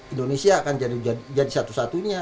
indonesia akan jadi satu satunya